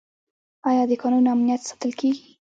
آیا د کانونو امنیت ساتل کیږي؟